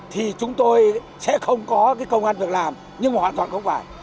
thì chúng tôi sẽ không có cái công an việc làm nhưng mà hoàn toàn không phải